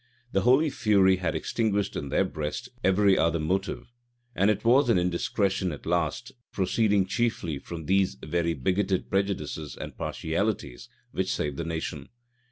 The holy fury had extinguished in their breast every other motive; and it was an indiscretion at last, proceeding chiefly from these very bigoted prejudices and partialities, which saved the nation.